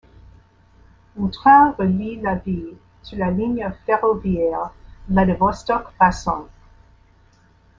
Un train relie la ville sur la ligne ferroviaire Vladivostok - Rasŏn.